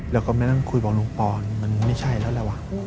แล้วก็มานั่งคุยบอกลุงปอนมันไม่ใช่แล้วแหละว่ะ